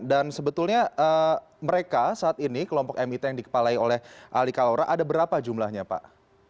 dan sebetulnya mereka saat ini kelompok mit yang dikepalai oleh alikalora ada berapa jumlahnya pak